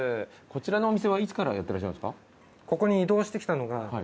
こちらのお店はいつからやってらっしゃるんですか？